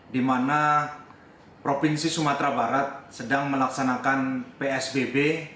di mana provinsi sumatera barat sedang melaksanakan psbb